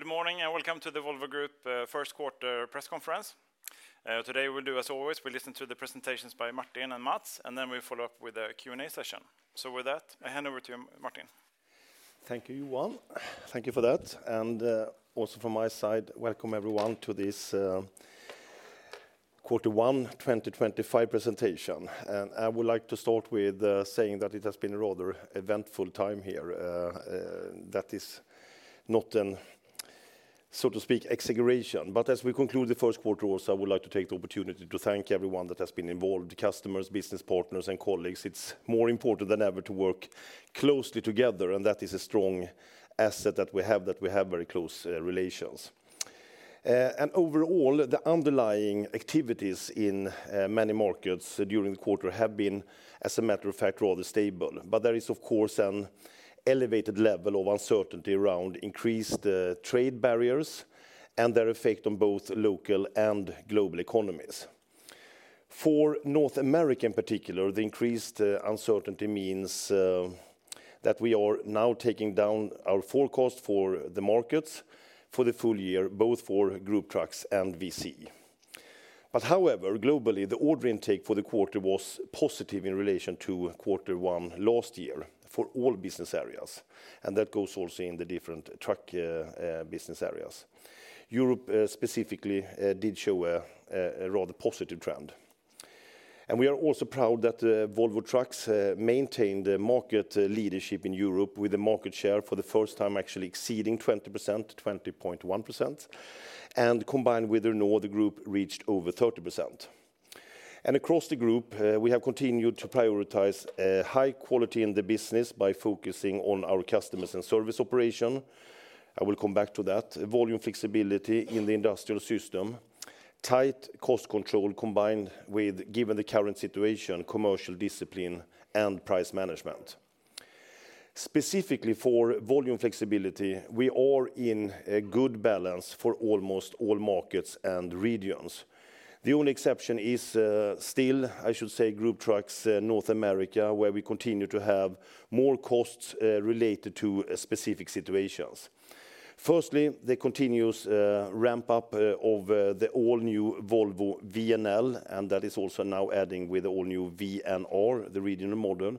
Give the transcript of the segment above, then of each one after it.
Good morning and welcome to the Volvo Group Q1 Press Conference. Today we'll do as always, we listen to the presentations by Martin and Mats and then we follow up with a Q and A session. With that I hand over to you, Martin. Thank you, Johan. Thank you for that and also from my side. Welcome everyone to this Q1 2025 presentation. I would like to start with saying that it has been a rather eventful time here. That is not, so to speak, exaggeration. As we conclude the Q1, I would also like to take the opportunity to thank everyone that has been involved, customers, business partners and colleagues. It is more important than ever to work closely together. That is a strong asset that we have, that we have very close relations. Overall, the underlying activities in many markets during the quarter have been, as a matter of fact, rather stable. There is of course an elevated level of uncertainty around increased trade barriers and their effect on both local and global economies. For North America in particular, the increased uncertainty means that we are now taking down our forecast for the markets for the full year, both for Group Trucks and VCE. However, globally the order intake for the quarter was positive in relation to Q1 last year for all business areas. That goes also in the different truck business areas. Europe specifically did show a rather positive trend. We are also proud that Volvo Trucks maintained market leadership in Europe with a market share for the first time actually exceeding 20%, 20.1%, and combined with the northern group reached over 30%. Across the group we have continued to prioritize high quality in the business by focusing on our customers' service operation. I will come back to that. Volume flexibility in the industrial system, tight cost control combined with, given the current situation, commercial discipline and price management, specifically for volume flexibility, we are in a good balance for almost all markets and regions. The only exception is still, I should say Group Trucks North America, where we continue to have more costs related to specific situations. Firstly, the continuous ramp up of the all new Volvo VNL and that is also now adding with all new VNR, the regional model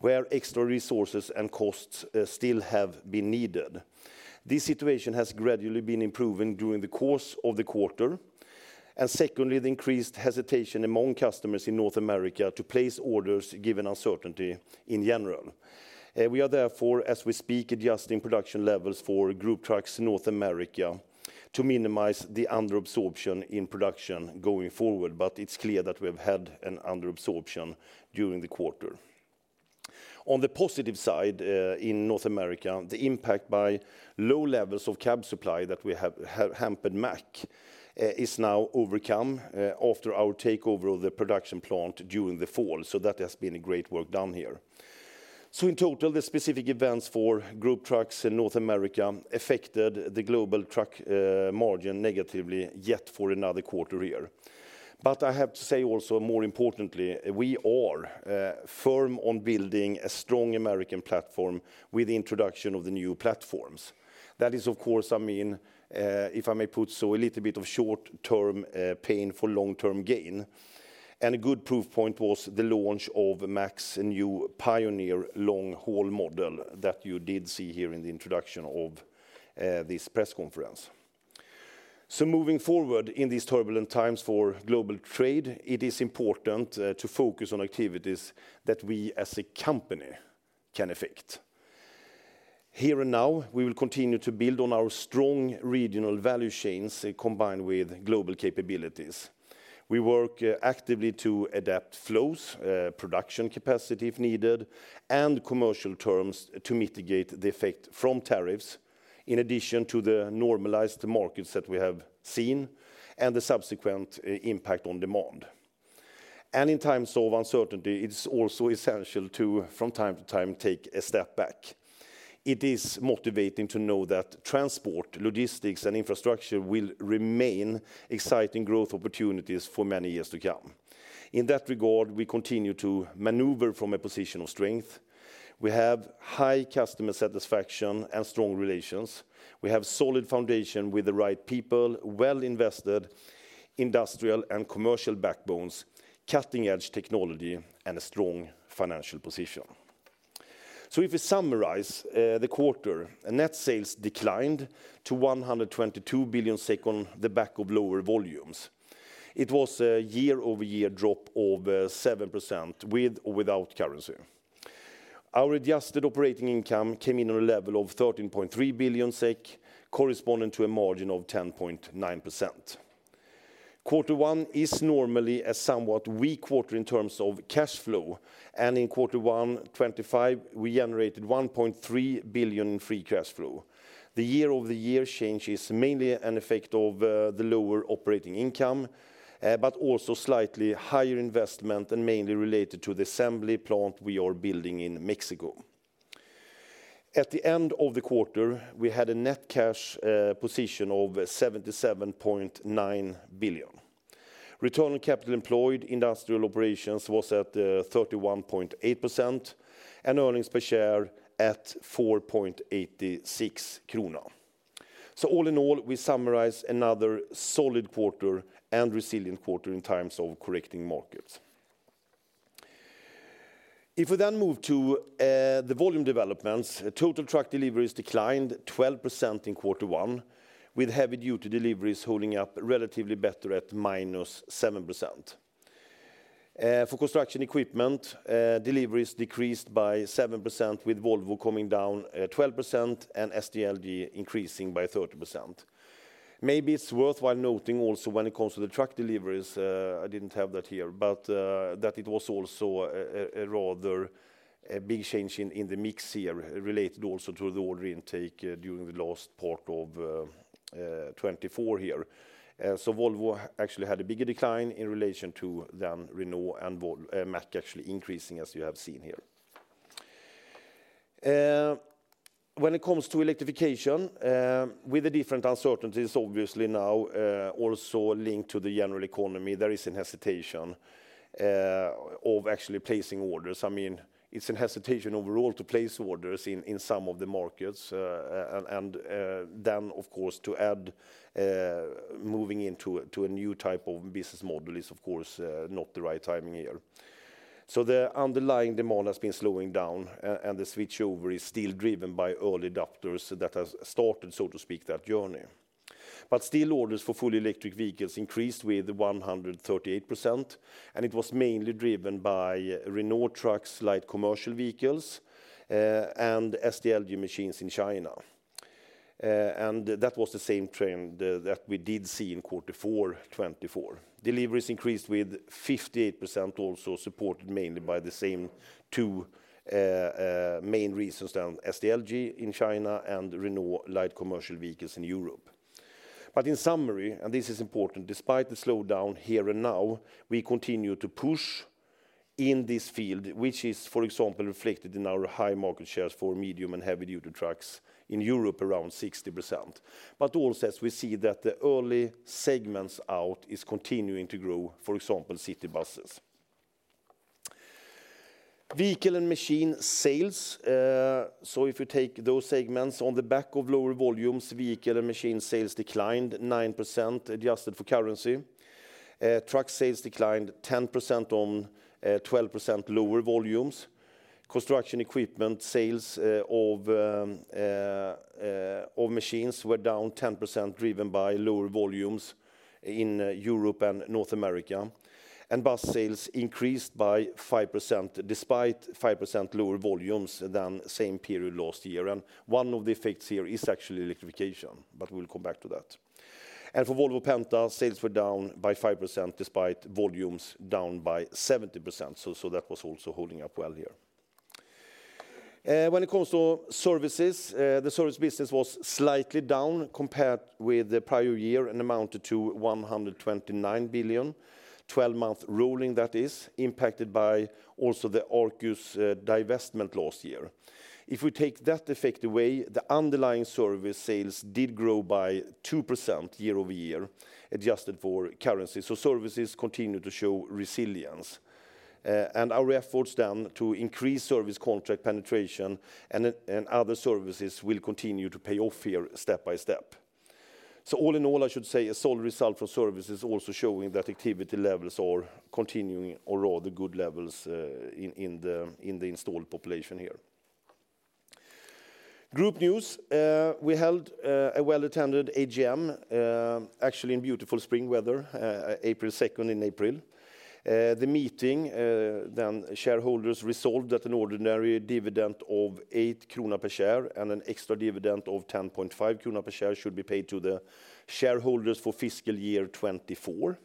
where extra resources and costs still have been needed. This situation has gradually been improving during the course of the quarter and secondly the increased hesitation among customers in North America to place orders given uncertainty in general. We are therefore as we speak, adjusting production levels for Group Trucks in North America to minimize the under absorption in production going forward. It is clear that we have had an under absorption during the quarter. On the positive side, in North America, the impact by low levels of cab supply that have hampered Mack is now overcome after our takeover of the production plant during the fall. That has been a great work done here. In total, the specific events for Group Trucks in North America affected the global truck margin negatively yet for another quarter here. I have to say also, more importantly, we are firm on building a strong American platform with the introduction of the new platforms. That is, of course, I mean, if I may put so, a little bit of short term pain for long term gain. A good proof point was the launch of Mack's new Pioneer long haul model that you did see here in the introduction of this press conference. Moving forward in these turbulent times for global trade, it is important to focus on activities that we as a company can affect here and now. We will continue to build on our strong regional value chains combined with global capabilities. We work actively to adapt flows, production capacity if needed, and commercial terms to mitigate the effect from tariffs. In addition to the normalized markets that we have seen and the subsequent impact on demand and in times of uncertainty, it is also essential to from time to time, take a step back. It is motivating to know that transport, logistics, and infrastructure will remain exciting growth opportunities for many years to come. In that regard, we continue to maneuver from a position of strength. We have high customer satisfaction and strong relations. We have a solid foundation with the right people, well-invested industrial and commercial backbones, cutting-edge technology, and a strong financial position. If we summarize the quarter, net sales declined to 122 billion, on the back of lower volumes. It was a year-over-year drop of 7% with or without currency. Our adjusted operating income came in on a level of 13.3 billion SEK, corresponding to a margin of 10.9%. Q1 is normally a somewhat weak quarter in terms of cash flow. In Q1 2025, we generated 1.3 billion in free cash flow. The year-over-year change is mainly an effect of the lower operating income, but also slightly higher investment and mainly related to the assembly plant we are building in Mexico. At the end of the quarter we had a net cash position of 77.9 billion. Return on capital employed industrial operations was at 31.8% and earnings per share at 4.86 krona. All in all, we summarize another solid quarter and resilient quarter in terms of correcting markets. If we then move to the volume developments. Total truck deliveries declined 12% in Q1, with heavy duty deliveries holding up relatively better at -7%. For construction equipment, deliveries decreased by 7% with Volvo coming down 12% and SDLG increasing by 30%. Maybe it's worthwhile noting also when it comes to the truck deliveries, I didn't have that here, but that it was also a rather a big change in the mix here. Related also to the order intake during the last part of 2024 here. Volvo actually had a bigger decline in relation to than Renault and Mack actually increasing as you have seen here. When it comes to electrification, with the different uncertainties obviously now also linked to the general economy, there is a hesitation of actually placing orders. I mean it's a hesitation overall to place orders in some of the markets. Of course to add moving into a new type of business model is of course not the right timing here. The underlying demand has been slowing down and the switchover is still driven by early adopters that have started, so to speak, that journey. Still, orders for fully electric vehicles increased with 138% and it was mainly driven by Renault Trucks like commercial vehicles and SDLG machines in China. That was the same trend that we did see in Q4 2024. Deliveries increased with 58%, also supported mainly by the same two main reasons, SDLG in China and Renault light commercial vehicles in Europe. In summary, and this is important, despite the slowdown here and now, we continue to push in this field, which is for example reflected in our high market shares for medium and heavy duty trucks in Europe, around 60%. Also, as we see that the early segments out is continuing to grow, for example city buses, vehicle and machine sales. If you take those segments on the back of lower volumes, vehicle and machine sales declined 9% adjusted for currency. Truck sales declined 10% on 12% lower volumes. Construction equipment sales of machines were down 10%, driven by lower volumes in Europe and North America. Bus sales increased by 5% despite 5% lower volumes than the same period last year. One of the effects here is actually electrification. We will come back to that. For Volvo Penta, sales were down by 5% despite volumes down by 70%. That was also holding up well here. When it comes to services, the service business was slightly down compared with the prior year and amounted to 129 billion 12 month rolling. That is impacted by also the Arquus divestment last year. If we take that effect away, the underlying service sales did grow by 2% year over year adjusted for currency. Services continue to show resilience and our efforts then to increase service contract penetration and other services will continue to pay off here step by step. All in all, I should say a solid result for services. Also showing that activity levels are continuing, or rather good levels in the installed population here. Group news, we held a well attended AGM actually in beautiful spring weather April 2nd. In April, the meeting, then shareholders resolved that an ordinary dividend of 8 krona per share and an extra dividend of 10.5 krona per share should be paid to the shareholders for fiscal year 2024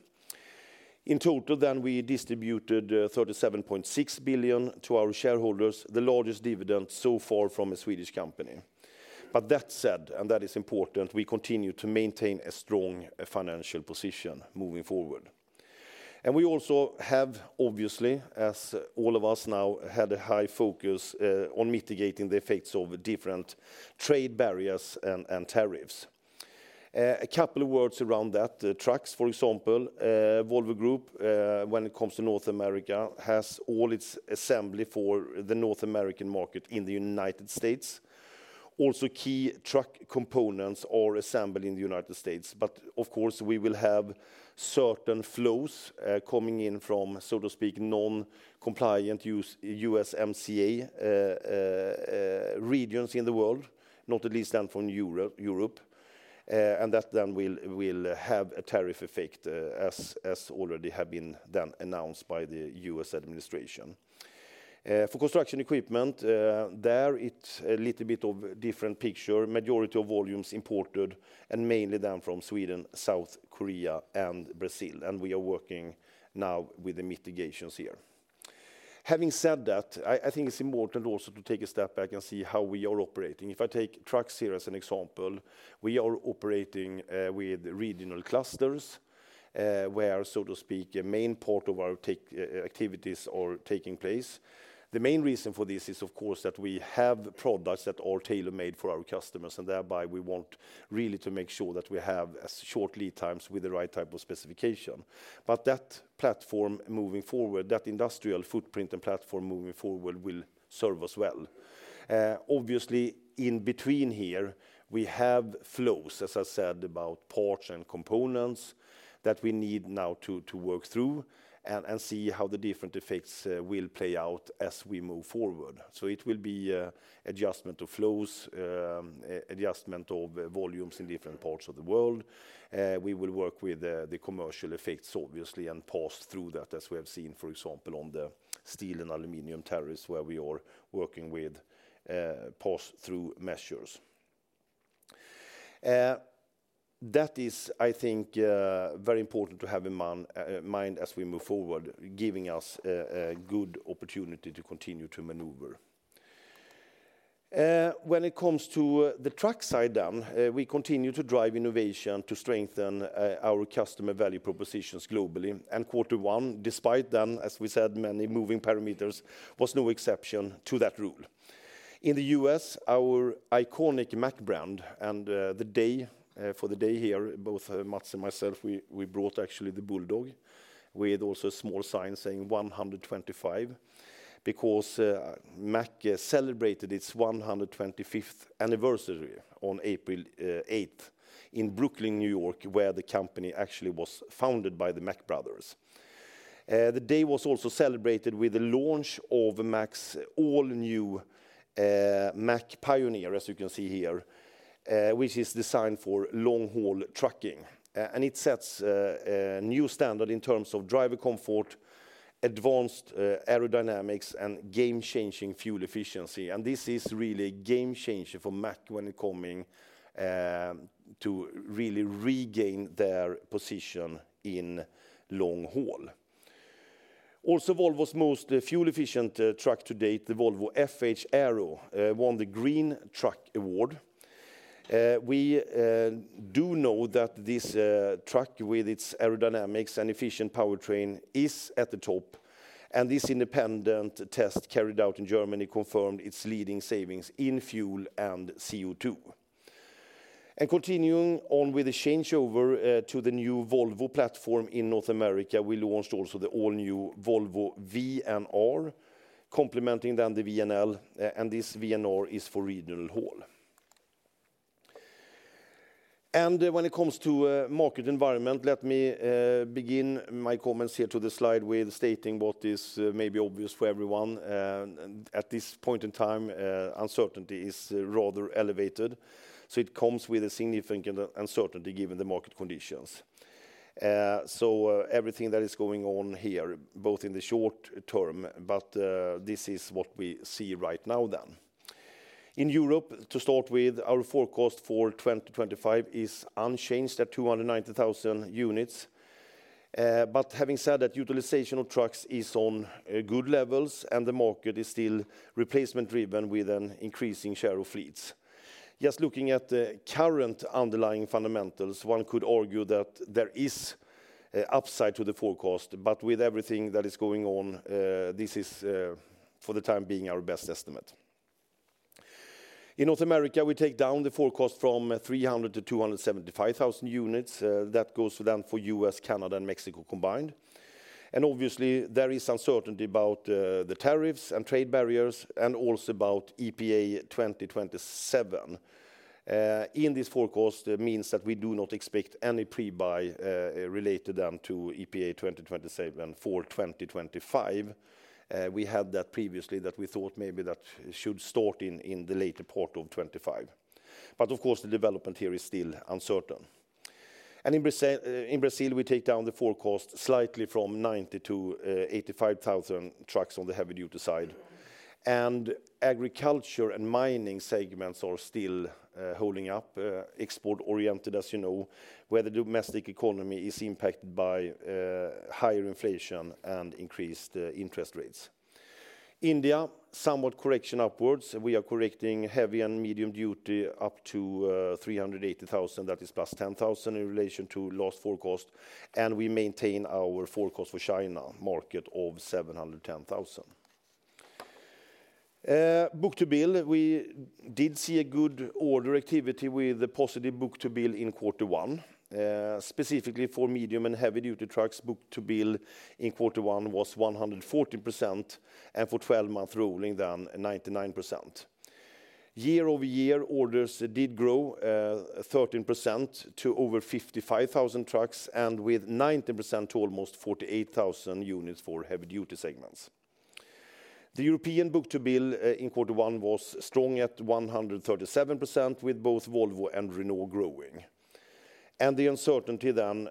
in total. We distributed 37.6 billion to our shareholders, the largest dividend so far from a Swedish company. That said, and that is important, we continue to maintain a strong financial position moving forward. We also have obviously, as all of us now, had a high focus on mitigating the effects of different trade barriers and tariffs. A couple of words around that. Trucks, for example, Volvo Group, when it comes to North America, has all its assembly for the North American market in the United States or also key truck components are assembled in the United States. Of course we will have certain flows coming in from, so to speak, non compliant USMCA regions in the world, not at least then from Europe. That then will have a tariff effect as already have been then announced by the US administration. For construction equipment there, it's a little bit of different picture. Majority of volumes imported and mainly them from Sweden, South Korea and Brazil. We are working now with the mitigations here. Having said that, I think it's important also to take a step back and see how we are operating. If I take trucks here as an example, we are operating with regional clusters where, so to speak, a main part of our ticket activities are taking place. The main reason for this is of course that we have products that are tailor made for our customers and thereby we want really to make sure that we have short lead times with the right type of specification. That platform moving forward, that industrial footprint and platform moving forward will serve us well. Obviously in between here we have flows, as I said, about ports and components that we need now to work through and see how the different effects will play out as we move forward. It will be adjustment of flows, adjustment of volumes in different parts of the world. We will work with the commercial effects obviously and pass through that, as we have seen, for example, on the steel and aluminium tariffs where we are working with pass through measures. That is, I think, very important to have in mind as we move forward, giving us a good opportunity to continue to maneuver. When it comes to the truck side, we continue to drive innovation to strengthen our customer value propositions. Globally in Q1, despite then as we said many moving parameters, was no exception to that rule. In the US, our iconic Mack brand and the day for the day here, both Mats and myself, we brought actually the Bulldog with also a small sign saying 125 because Mack celebrated its 125th anniversary on April 8th in Brooklyn, New York where the company actually was founded by the Mack brothers. The day was also celebrated with the launch of Mack's all new Mack Pioneer as you can see here, which is designed for long haul trucking and it sets new standard in terms of driver comfort, advanced aerodynamics and game changing fuel efficiency. This is really a game changer for Mack when coming to really regain their position in long haul. Also Volvo's most fuel efficient truck to date, the Volvo FH Aero won the Green Truck award. We do know that this truck with its aerodynamics and efficient powertrain is at the top. This independent test carried out in Germany confirmed its leading savings in fuel and CO2. Continuing on with the changeover to the new Volvo platform in North America, we launched also the all new Volvo VNR, complementing then the VNL, and this VNR is for regional haul. When it comes to market environment, let me begin my comments here to the slide with stating what is maybe obvious for everyone at this point in time: uncertainty is rather elevated. It comes with a significant uncertainty given the market conditions. Everything that is going on here, both in the short term, but this is what we see right now in Europe to start with, our forecast for 2025 is unchanged at 290,000 units. Having said that, utilization of trucks is on good levels and the market is still replacement driven with an increasing share of fleets. Just looking at the current underlying fundamentals, one could argue that there is upside to the forecast. With everything that is going on, this is for the time being our best estimate. In North America we take down the forecast from 300,000 to 275,000 units. That goes down for US, Canada and Mexico combined. Obviously there is uncertainty about the tariffs and trade barriers and also about issues. EPA 2027 in this forecast means that we do not expect any pre buy related to EPA 2027 for 2025. We had that previously that we thought maybe that should start in the later part of 2025, but of course the development here is still uncertain. In Brazil we take down the forecast slightly from 90,000 to 85,000 trucks on the heavy duty side and agriculture and mining segments are still holding up, export oriented as you know, where the domestic economy is impacted by higher inflation and increased interest rates. India, somewhat correction upwards, we are correcting heavy and medium duty up to 380,000, that is plus 10,000 in relation to last forecast, and we maintain our forecast for China market of 710,000. Book-to-bill, we did see a good order activity with the positive book-to-bill in Q1. Specifically for medium and heavy duty trucks, book-to-bill in Q1 was 114%, and for 12 month rolling then 99%. Year over year, orders did grow 13% to over 55,000 trucks and with 19% to almost 48,000 units for heavy duty segments. The European book-to-bill in Q1 was strong at 137% with both Volvo and Renault growing and the uncertainty then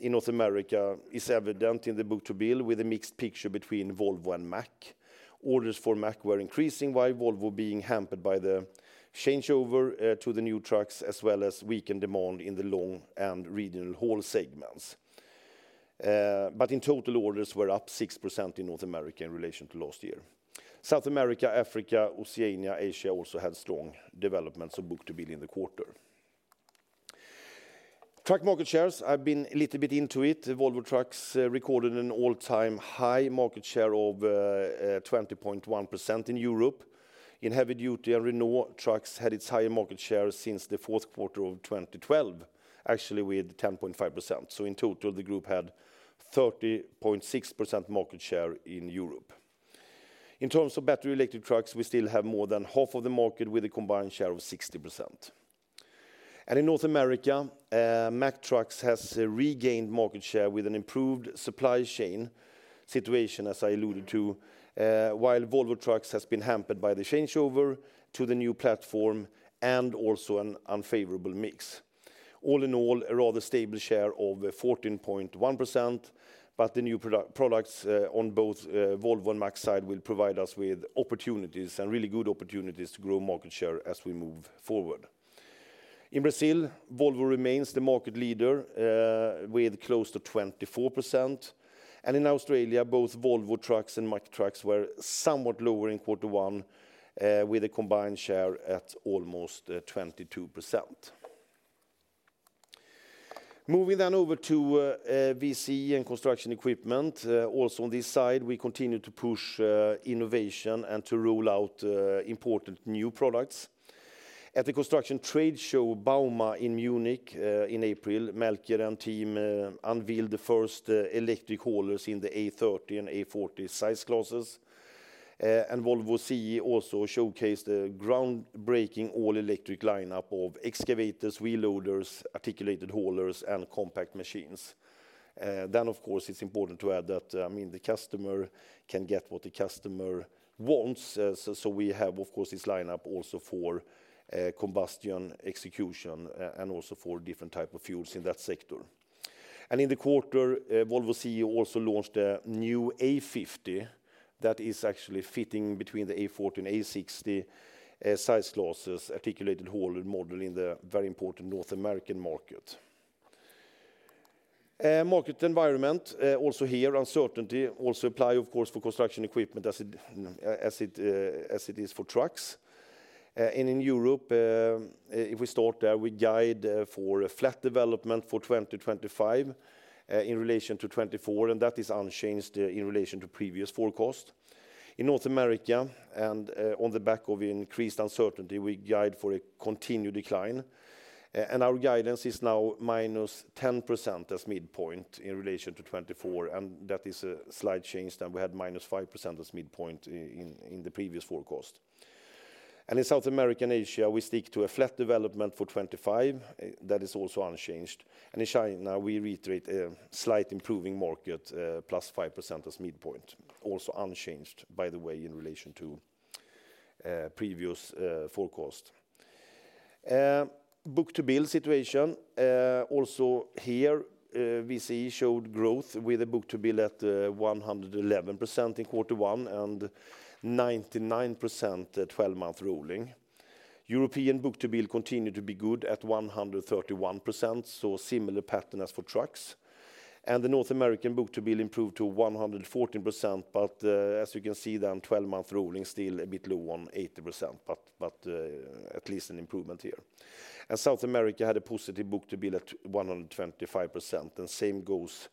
in North America is evident in the book-to-bill with a mixed picture between Volvo and Mack. Orders for Mack were increasing while Volvo being hampered by the changeover to the new trucks as well as weakened demand in the long and regional haul segments. In total, orders were up 6% in North America in relation to last year. South America, Africa, Oceania, Asia also had strong developments of book-to-bill in the quarter truck market shares. I've been a little bit into it. Volvo Trucks recorded an all-time high market share of 20.1% in Europe in heavy duty and Renault Trucks had its highest market share since the Q4 of 2012 actually with 10.5%. In total the group had 30.6% market share. In Europe in terms of battery electric trucks we still have more than half of the market with a combined share of 60%. In North America Mack Trucks has regained market share with an improved supply chain situation as I alluded to. While Volvo Trucks has been hampered by the changeover to the new platform and also an unfavorable mix, all in all a rather stable share of 14.1%. The new products on both Volvo and Mack side will provide us with opportunities and really good opportunities to grow market share as we move forward. In Brazil, Volvo remains the market leader with close to 24% and in Australia both Volvo Trucks and Mack Trucks were somewhat lower in Q1 with a combined share at almost 22%. Moving then over to VC and construction equipment also on this side we continue to push innovation and to roll out important new products. At the construction trade show Bauma in Munich in April, Melker and team unveiled the first the electric haulers in the A30 and A40 size classes and Volvo CE also showcased the groundbreaking all electric lineup of excavators, wheel loaders, articulated haulers and compact machines. Of course it's important to add that, I mean the customer can get what the customer wants. We have of course this lineup also for combustion execution and also for different type of fuels in that sector. In the quarter Volvo CE also launched a new A50 that is actually fitting between the A40 and A60 size classes articulated hauler model in the very important North American market environment. Also here uncertainty also apply of course for construction equipment as it is for trucks. In Europe, if we start there, we guide for a flat development for 2025 in relation to 2024 and that is unchanged in relation to previous forecast. In North America, on the back of increased uncertainty, we guide for a continued decline and our guidance is now minus 10% as midpoint in relation to 2024. That is a slight change as we had minus 5% as midpoint in the previous forecast. In South America and Asia, we stick to a flat development for 2025; that is also unchanged. In China, we reiterate a slight improving market, plus 5% as midpoint, also unchanged by the way in relation to previous forecast. Book to bill situation also here VCE showed growth with the book to bill at 111% in Q1 and 99% 12 month ruling. European book to bill continued to be good at 131%. Similar pattern as for trucks and the North American book to bill improved to 114% but as you can see then 12 month ruling still a bit low on 80% but at least an improvement here. South America had a positive book to bill at 125%. Same goes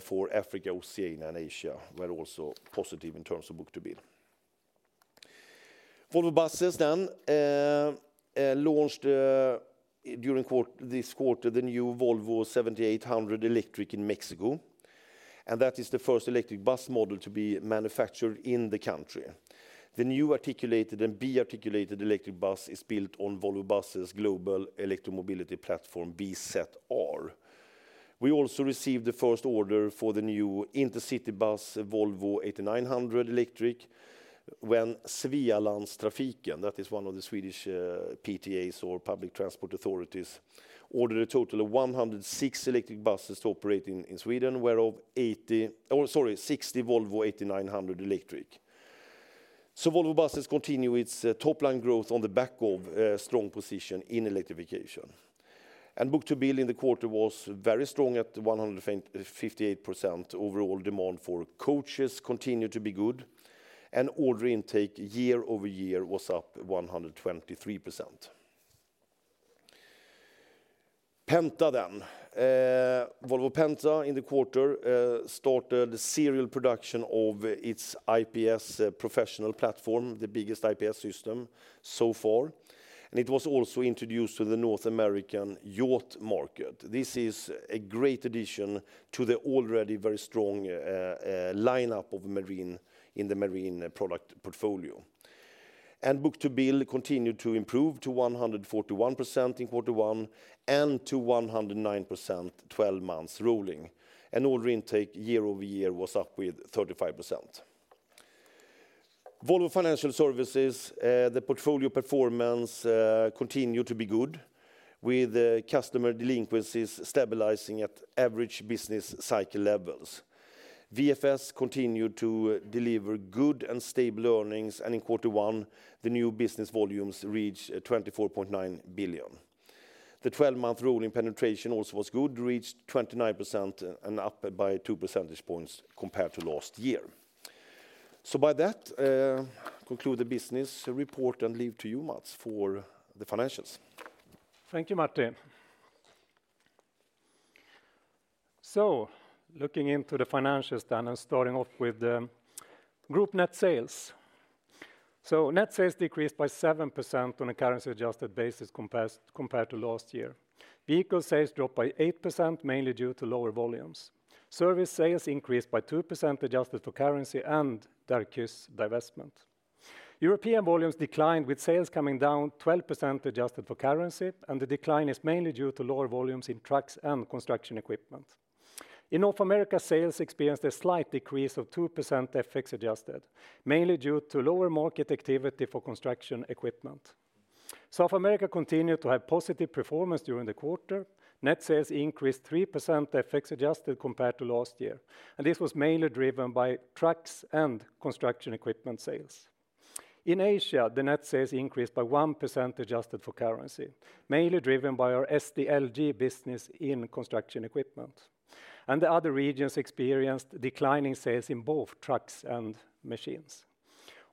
for Africa. Oceania and Asia were also positive in terms of book to bill. Volvo Buses launched during this quarter the new Volvo 7800 Electric in Mexico and that is the first electric bus model to be manufactured in the country. The new articulated and bi-articulated electric bus is built on Volvo's global electromobility platform. We also received the first order for the new intercity bus Volvo 8900 Electric. When Sörmlandstrafiken, that is one of the Swedish PTAs or public transport authorities, ordered a total of 106 electric buses to operate in Sweden, whereof 60 Volvo 8900 Electric. Volvo Buses continues its top line growth on the back of strong position in electrification and book-to-bill in the quarter was very strong at 158%. Overall demand for coaches continued to be good and order intake year over year was up 123%. Penta, then Volvo Penta in the quarter started serial production of its IPS Professional Platform, the biggest IPS system so far, and it was also introduced to the North American yacht market. This is a great addition to the already very strong lineup of Marine in the marine product portfolio and book-to-bill continued to improve to 141% in Q1 and to 109% 12 months rolling and order intake year over year was up with 35%. Volvo Financial Services, the portfolio performance continued to be good with customer delinquencies stabilizing at average business cycle levels. VFS continued to deliver good and stable earnings and in Q1 the new business volumes reached 24.9 billion. The 12 month rolling penetration also was good, reached 29% and up by 2 percentage points compared to last year. By that, I conclude the business report and leave to you, Mats, for the financials. Thank you Martin. Looking into the financials then and starting off with Group net sales, net sales decreased by 7% on a currency adjusted basis compared to last year. Vehicle sales dropped by 8% mainly due to lower volumes. Service sales increased by 2% adjusted for currency and Delcu's divestment. European volumes declined with sales coming down 12% adjusted for currency and the decline is mainly due to lower volumes in trucks and construction equipment. In North America, sales experienced a slight decrease of 2% FX adjusted mainly due to lower market activity for construction equipment. South America continued to have positive performance during the quarter. Net sales increased 3% FX adjusted compared to last year and this was mainly driven by trucks and construction equipment sales. In Asia the net sales increased by 1% adjusted for currency mainly driven by our SDLG business in construction equipment and the other regions experienced declining sales in both trucks and machines.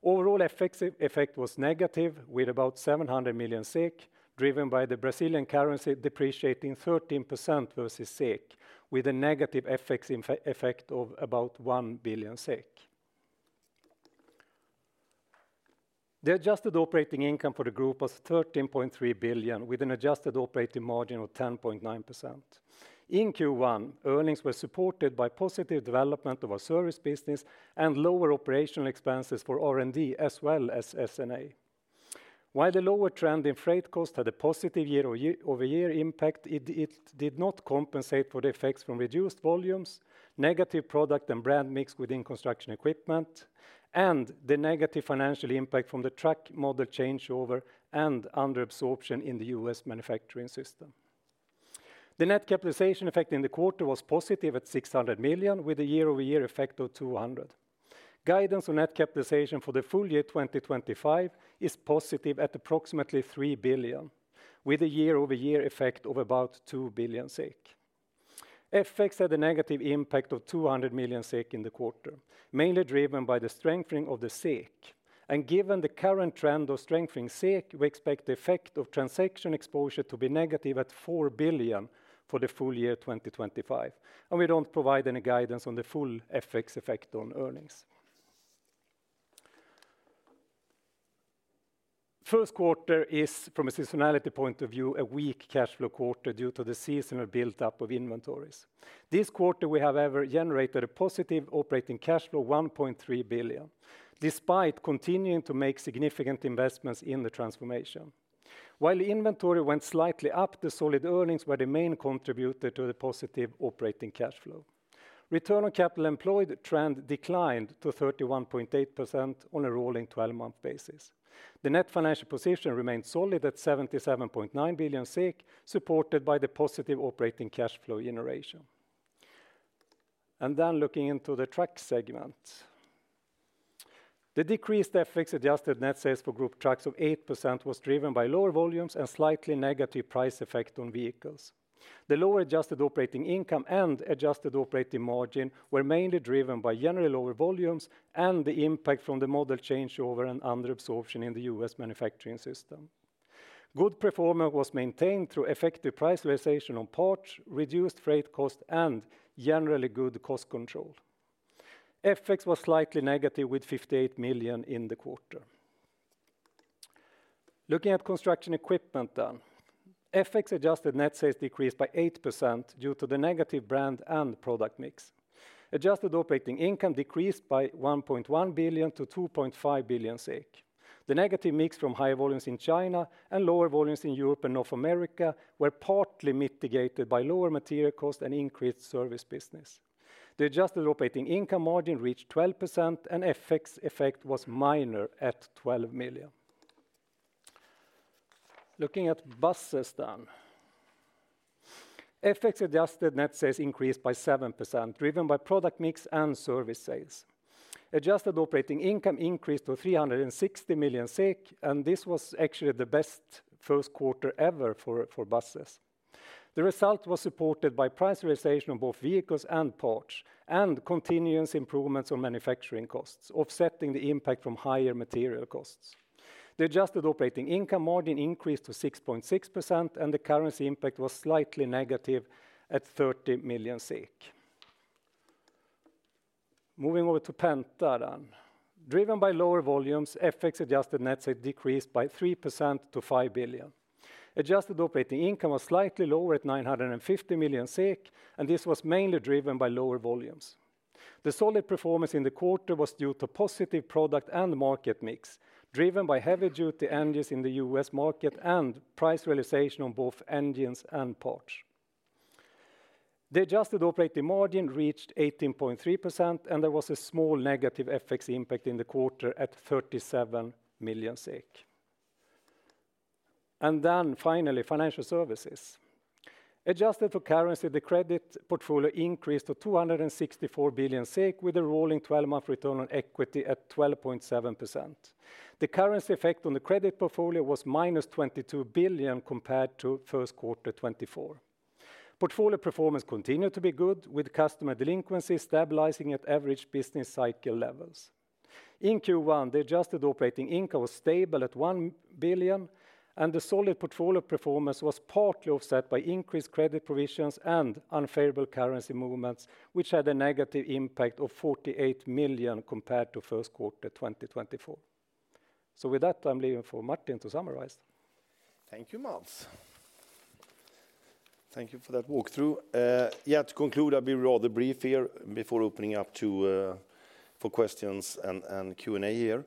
Overall effect was negative with about 700 million SEK driven by the Brazilian currency depreciating 13% versus SEK with a negative effect of about 1 billion SEK. The adjusted operating income for the group was 13.3 billion with an adjusted operating margin of 10.9% in Q1. Earnings were supported by positive development of our service business and lower operational expenses for R&D as well as S&A. While the lower trend in freight cost had a positive year over year impact, it did not compensate for the effects from reduced volumes, negative product and brand mix within construction equipment and the negative financial impact from the truck model changeover and under absorption in the US manufacturing system. The net capitalization effect in the quarter was positive at 600 million with a year-over-year effect of 200 million. Guidance on net capitalization for the full year 2025 is positive at approximately 3 billion with a year-over-year effect of about 2 billion SEK. SEK. FX had a negative impact of 200 million SEK in the quarter, mainly driven by the strengthening of the SEK, and given the current trend of strengthening SEK, we expect the effect of transaction exposure to be negative at 4 billion for the full year 2025 and we don't provide any guidance on the full FX effect on earnings. Q1 is, from a seasonality point of view, a weak cash flow quarter due to the seasonal buildup of inventories. This quarter we however generated a positive operating cash flow of 1.3 billion despite continuing to make significant investments in the transformation. While inventory went slightly up, the solid earnings were the main contributor to the positive operating cash flow. Return on capital employed trend declined to 31.8% on a rolling 12 month basis. The net financial position remained solid at 77.9 billion, supported by the positive operating cash flow generation. Looking into the truck segment, the decreased FX adjusted net sales for Group Trucks of 8% was driven by lower volumes and slightly negative price effect on vehicles. The lower adjusted operating income and adjusted operating margin were mainly driven by generally lower volumes and the impact from the model changeover and under absorption. In the US manufacturing system, good performance was maintained through effective price realization on parts, reduced freight cost and generally good cost control. FX was slightly negative with 58 million in the quarter. Looking at construction equipment, then FX adjusted net sales decreased by 8% due to the negative brand and product mix. Adjusted operating income decreased by 1.1 billion to 2.5 billion SEK. The negative mix from higher volumes in China and lower volumes in Europe and North America were partly mitigated by lower material cost and increased service business. The adjusted operating income margin reached 12% and FX effect was minor at 12 million. Looking at bus system, FX adjusted net sales increased by 7% driven by product mix and service sales. Adjusted operating income increased to 360 million SEK and this was actually the best Q1 ever for buses. The result was supported by price realization of both vehicles and parts and continuous improvements on manufacturing costs, offsetting the impact from higher material costs. The adjusted operating income margin increased to 6.6% and the currency impact was slightly negative at 30 million SEK. Moving over to Penta, and driven by lower volumes, FX-adjusted net sales decreased by 3% to 5 billion. Adjusted operating income was slightly lower at 950 million SEK and this was mainly driven by lower volumes. The solid performance in the quarter was due to positive product and market mix driven by heavy duty engines in the US market and price realization on both engines and parts. The adjusted operating margin reached 18.3% and there was a small negative FX impact in the quarter at 37 million SEK. Finally, financial services. Adjusted for currency, the credit portfolio increased to 264 billion with a rolling 12-month return on equity at 12.7%. The currency effect on the credit portfolio was minus 22 billion compared to Q1 2024. Portfolio performance continued to be good with customer delinquencies stabilizing at average business cycle levels. In Q1, the adjusted operating income was stable at 1 billion and the solid portfolio performance was partly offset by increased credit provisions and unfavorable currency movements which had a negative impact of 48 million compared to Q1 2024. With that, I'm leaving for Martin to summarize. Thank you, Mats. Thank you for that walkthrough. To conclude, I'll be rather brief here before opening up for questions and Q and A here.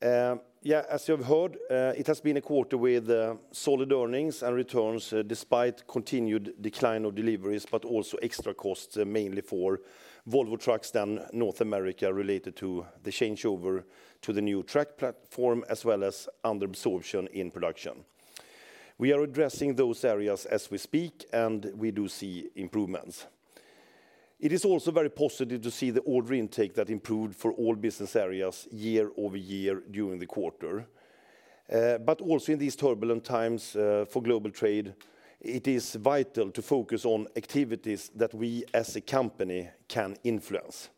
Yeah, as you have heard, it has been a quarter with solid earnings and returns despite continued decline of deliveries, but also extra costs mainly for Volvo Trucks in North America related to the changeover to the new truck platform as well as under absorption in production. We are addressing those areas as we speak and we do see improvements. It is also very positive to see the order intake that improved for all business areas year over year during the quarter. Also, in these turbulent times for global trade, it is vital to focus on activities that we as a company can influence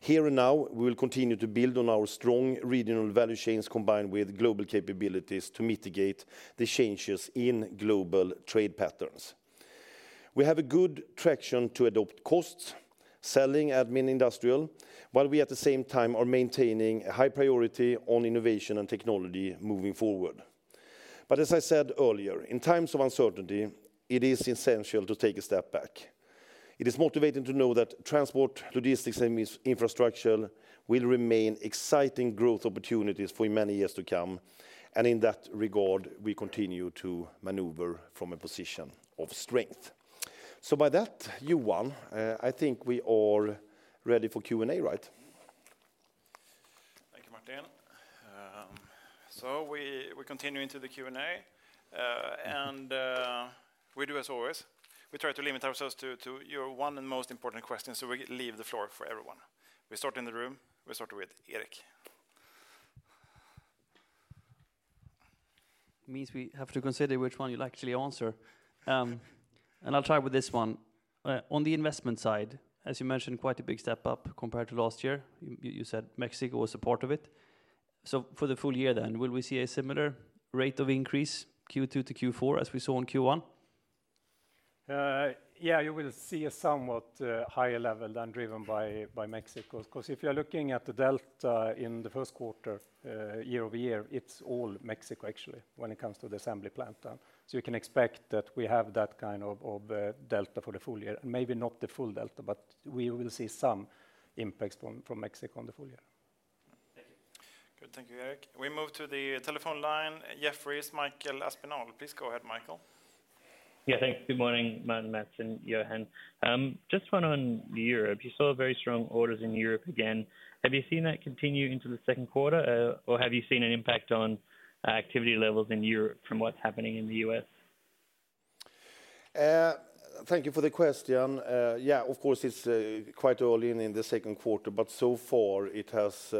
here and now. We will continue to build on our strong regional value chains combined with global capabilities to mitigate the changes in global trade patterns. We have a good traction to adopt costs selling admin industrial while we at the same time are maintaining a high priority on innovation and technology moving forward. As I said earlier, in times of uncertainty it is essential to take a step back. It is motivating to know that transport, logistics and infrastructure will remain exciting growth opportunities for many years to come. In that regard we continue to maneuver from a position of strength. By that you won. I think we all ready for Q and A, right? Thank you, Martin. We continue into the Q and A and we do as always, we try to limit ourselves to your one and most important question. We leave the floor for everyone. We start in the room. We start with Eric. Means. We have to consider which one you'd. Actually, answer and I'll try with this one. On the investment side, as you mentioned, quite a big step up compared to last year. You said Mexico was a part of it. For the full year then, will we see a similar rate of increase, Q2 to Q4 as we saw in Q1? Yeah, you will see a somewhat higher level than driven by Mexico because if you're looking at the delta in the Q1, year over year, it's all Mexico actually when it comes to the assembly plant. You can expect that we have that kind of delta for the full year and maybe not the full delta, but we will see some impacts from Mexico on the full year. Thank you. Good. Thank you, Eric. We move to the telephone line. Jefferies, Michael Aspinall, please. Go ahead, Michael. Yeah, thanks. Good morning. Martin, Mats, and Johan, just one. On Europe, you saw very strong orders in Europe. Again, have you seen that continue into the Q2, or have you seen an impact on activity levels in Europe from what's happening in the US? Thank you for the question. Yeah, of course it's quite early in the Q2, but so far it has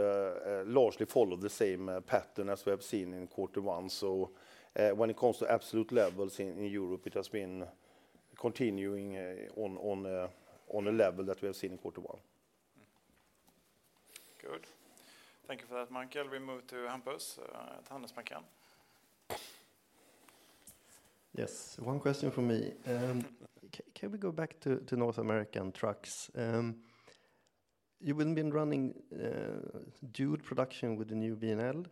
largely followed the same pattern as we have seen in Q1. When it comes to absolute levels in Europe, it has been continuing on a level that we have seen in Q1. Good. Thank you for that, Michael. We move to Hampus, Handelsbanken. Yes. One question for me. Can we go back to North American trucks? You've been running dual production with the new VNL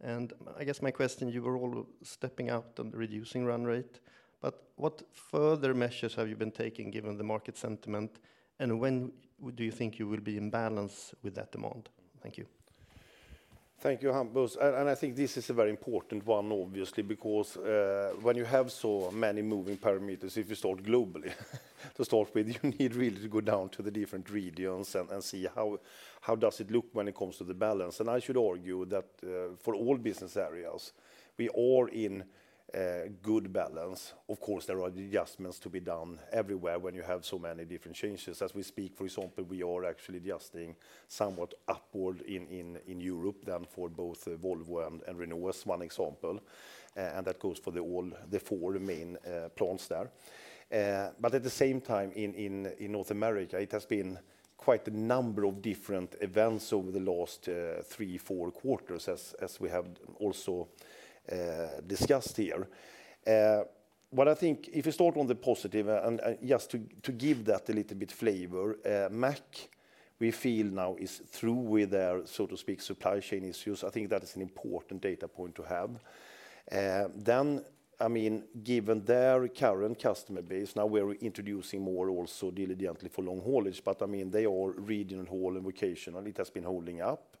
and I guess my question, you were all stepping out on reducing run rate, but what further measures have you been taking given the market sentiment and when do you think you will be in balance with that demand? Thank you. Thank you, Hampus. I think this is a very important one, obviously, because when you have so many moving parameters, if you start globally, to start with, you need really to go down to the different regions and see how does it look when it comes to the balance. I should argue that for all business areas we are in good balance. Of course there are adjustments to be done everywhere when you have so many different changes. As we speak, for example, we are actually adjusting somewhat upward in Europe than for both Volvo and Renault Trucks, one example, and that goes for all the four main plants there. At the same time in North America it has been quite a number of different events over the last three, four quarters, as we have also discussed here. What I think if you start on the positive and just to give that a little bit flavor, Mack, we feel now is through with their, so to speak, supply chain issues, I think that is an important data point to have then. I mean, given their current customer base. Now we are introducing more also diligently for long haulage. I mean they already in haul and vocational. It has been holding up.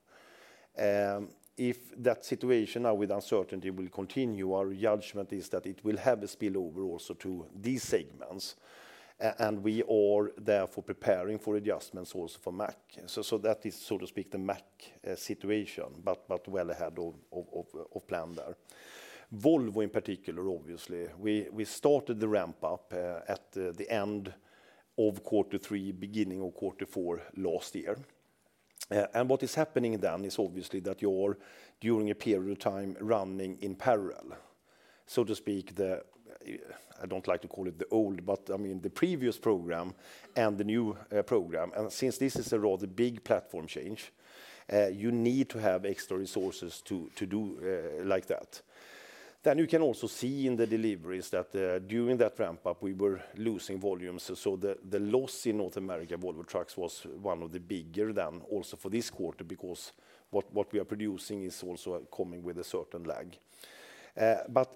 If that situation now with uncertainty will continue. Our judgment is that it will have a spillover also to these segments. We are therefore preparing for adjustments also for Mack. That is, so to speak, the Mack situation, but well ahead of plan there. Volvo in particular, obviously we started the ramp up at the end of Q3, beginning of Q4 last year. What is happening then is obviously that you're during a period of time running in parallel, so to speak. I don't like to call it the old, but I mean the previous program and the new program. Since this is a rather big platform change, you need to have extra resources to do like that. You can also see in the deliveries that during that ramp up we were losing volumes. So the. The loss in North America Volvo Trucks was one of the bigger than also for this quarter because what we are producing is also coming with a certain lag.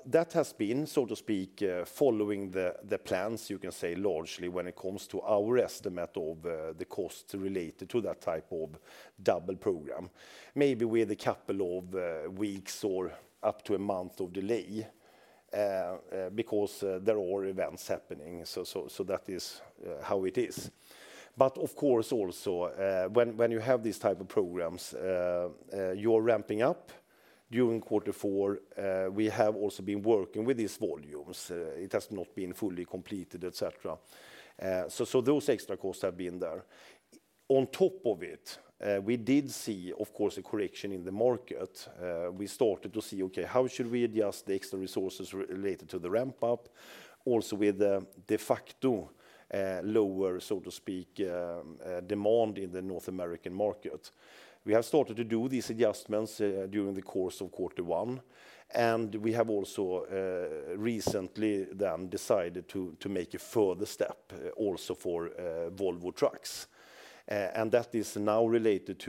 That has been, so to speak, following the plans, you can say largely when it comes to our estimate of the costs related to that type of double program, maybe with a couple of weeks or up to a month of delay, because there are events happening. That is how it is. Of course also when you have these type of programs, you are ramping up during Q4. We have also been working with these volumes, it has not been fully completed, etc. Those extra costs have been there on top of it. We did see, of course, a correction in the market. We started to see, okay, how should we adjust the extra resources for related to the ramp up also with the de facto lower, so to speak, demand in the North American market. We have started to do these adjustments during the course of Q1. We have also recently then decided to make a further step also for Volvo Trucks. That is now related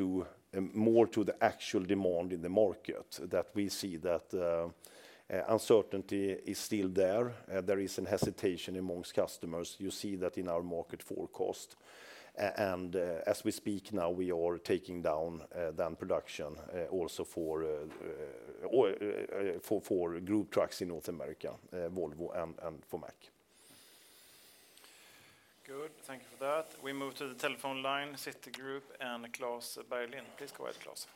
more to the actual demand in the market that we see, that uncertainty is still there. There is a hesitation amongst customers. You see that in our market forecast. As we speak now, we are taking down then production also for Group Trucks in North America, Volvo and for Mack. Good, thank you for that. We move to the telephone line. Citigroup and Klas Bergelind, please go ahead, Klaus.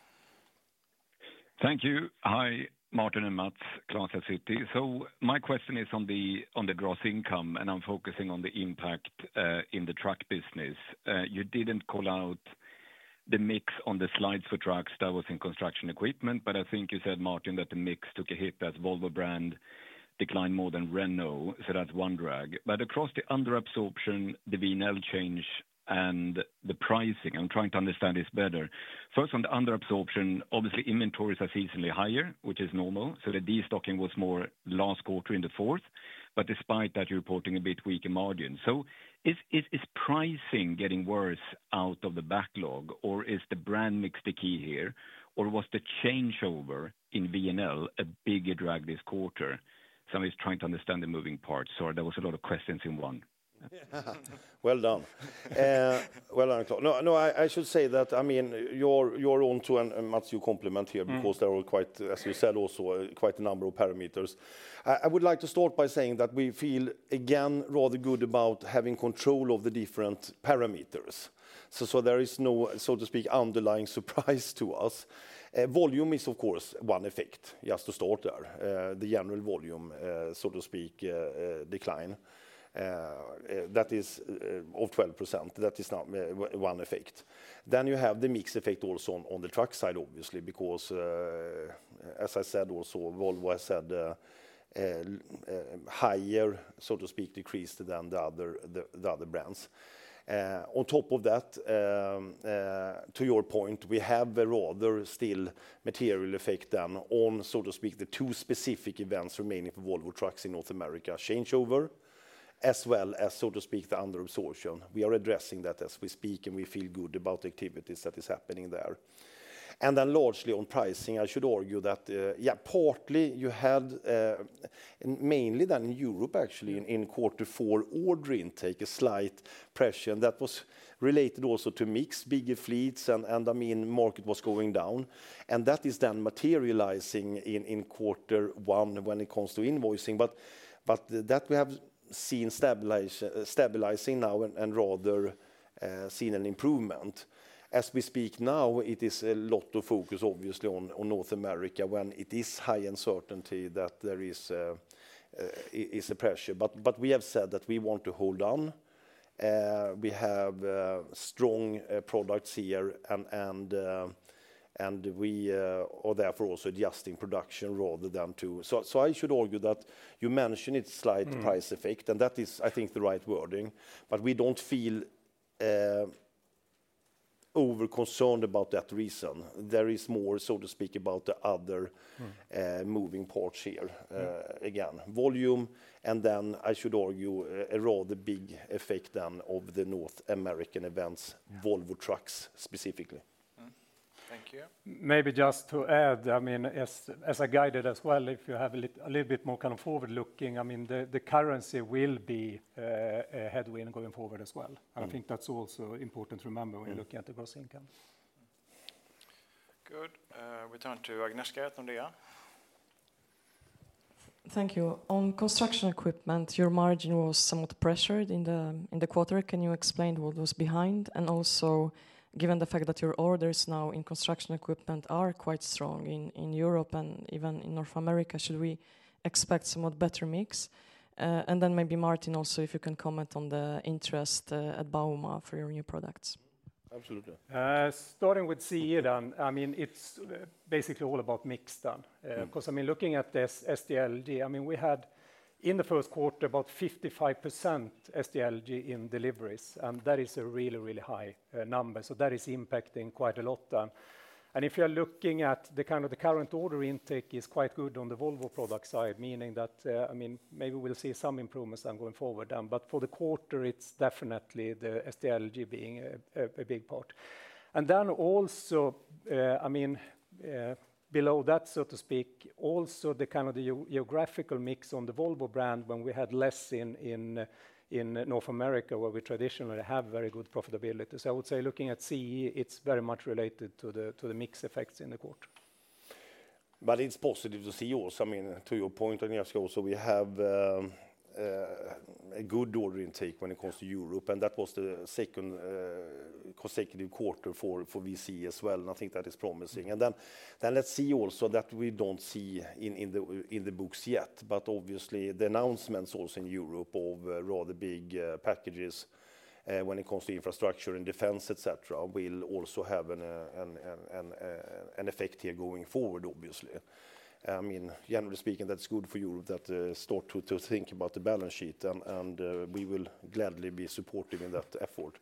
Thank you. Hi Martin and Mats, class of city. My question is on the gross income and I'm focusing on the impact in the truck business. You didn't call out the mix on the slides for trucks, that was in construction equipment. I think you said, Martin, that the mix took a hit as Volvo brand declined more than Renault. That's one drag. Across the under absorption, the VNL change, and the pricing, I'm trying to understand, is better focus on the under absorption. Obviously, inventories are seasonally higher, which is normal. The destocking was more last quarter in the fourth, but despite that, you're reporting a bit weak in margins. Is pricing getting worse out of the backlog, or is the brand mix the key here, or was the changeover in VNL a bigger drag this quarter? Somebody's trying to understand the moving parts or there was a lot of questions in one. Well done, well done. No, no, I should say that. I mean you're on to and Matthew compliment here because there are quite, as you said, also quite a number of parameters. I would like to start by saying that we feel again rather good about having control of the different parameters. There is no, so to speak, underlying surprise to us. Volume is of course one effect. Just to start there, the annual volume, so to speak, decline that is of 12%. That is not one effect. You have the mix effect also on the truck side obviously because, as I said, also Volvo has had higher, so to speak, decreased than the other brands. On top of that, to your point, we have rather still material effect then on so to speak the two specific events remaining for Volvo Trucks in North America changeover as well as so to speak the under absorption. We are addressing that as we speak and we feel good about activities that is happening there and then largely on pricing. I should argue that yeah partly you had mainly done in Europe actually in Q4 order intake a slight pressure and that was related also to mix big fleets and I mean market was going down and that is then materializing in Q1 when it comes to invoicing. That we have seen stabilizing now and rather seen an improvement as we speak now. It is a lot of focus obviously on North America when it is high uncertainty that there is a pressure. We have said that we want to hold on. We have strong, strong products here and we are there for also adjusting production rather than to. I should argue that you mentioned it's slight price effect and that is, I think, the right wording but we don't feel over concerned about that reason. There is more to speak about the other moving parts here again, volume, and then I should argue a raw, the biggest effect of the North American events, Volvo Trucks specifically. Thank you. Maybe just to add, I mean as I guided as well if you have a little bit more kind of forward looking, I mean the currency will be a headwind going forward as well. I think that's also important to remember when looking at the gross income. Good return to Agnieszka Tundia. Thank you. On construction equipment, your margin was somewhat pressured in the quarter. Can you explain what was behind? Also, given the fact that your orders now in construction equipment are quite strong in Europe and even in North America, should we expect somewhat better mix? Maybe, Martin, also if you can comment on the interest at Bauma for your new products. Absolutely. Starting with Cedar, I mean it's basically all about mix done because I mean looking at this SD, I mean we had in the Q1 about 55% SDLG in deliveries and that is a really, really high number. That is impacting quite a lot. If you're looking at the kind of the current order intake, it is quite good on the Volvo product side, meaning that I mean maybe we'll see some improvements going forward, but for the quarter it's definitely the SDLG being a big part. Also, below that, so to speak, also the kind of the geographical mix on the Volvo brand when we had less in North America where we traditionally have very good profitability. I would say looking at CE, it's very much related to the mix effects in the quarter. It is positive to see also, I mean, to your point on Yaski, also we have a good order intake when it comes to Europe, and that was the second consecutive quarter for VCE as well. I think that is promising. Let's see also that we do not see in the books yet, but obviously the announcements also in Europe of rather big packages when it comes to infrastructure and defense, etc., will also have an effect here going forward. Obviously, I mean, generally speaking, that is good for Europe to start to think about the balance sheet, and we will gladly be supportive in that effort.